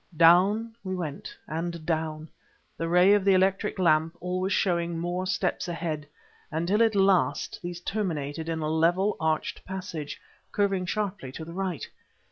Down we went and down, the ray of the electric lamp always showing more steps ahead, until at last these terminated in a level, arched passage, curving sharply to the right.